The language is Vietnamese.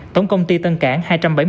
tổng công ty tân cảng hai trăm bảy mươi